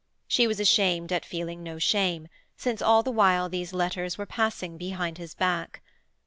She was ashamed at feeling no shame, since all the while these letters were passing behind his back.